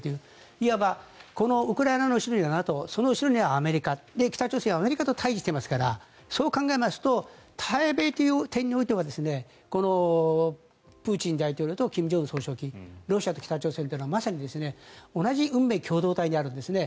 いわばこのウクライナの後ろにはＮＡＴＯその後ろにはアメリカ北朝鮮はアメリカと対峙していますからそう考えますと対米という点においてはプーチン大統領と金正恩総書記ロシアと北朝鮮というのはまさに同じ運命共同体にあるんですね。